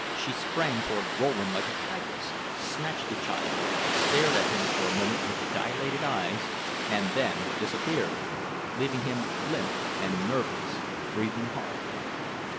She sprang toward Rowland like a tigress, snatched the child, stared at him for a moment with dilated eyes, and then disappeared, leaving him limp and nerveless, breathing hard.